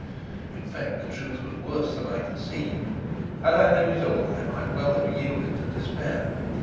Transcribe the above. In fact, the truth was worse than I conceived. Had I known it all, I might well have yielded to despair.